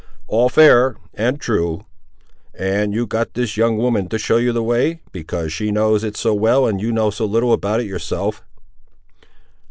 "All fair and true. And you got this young woman to show you the way, because she knows it so well and you know so little about it yourself!"